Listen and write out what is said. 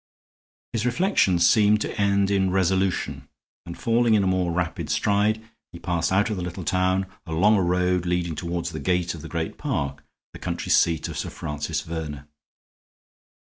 His reflection seemed to end in resolution, and, falling into a more rapid stride, he passed out of the little town along a road leading toward the gate of the great park, the country seat of Sir Francis Verner.